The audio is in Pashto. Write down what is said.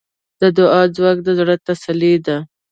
د دعا ځواک د زړۀ تسلي ده.